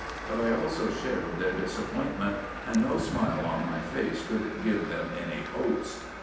But I also shared their disappointment, and no smile on my face could give them any hopes.